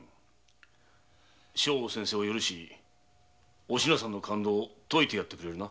将翁先生を許しお品さんの勘当解いてやってくれるな。